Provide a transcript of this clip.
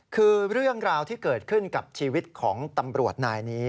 คือเรื่องราวที่เกิดขึ้นกับชีวิตของตำรวจนายนี้